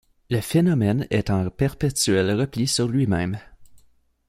Le phénomène est en perpétuel repli sur lui-même.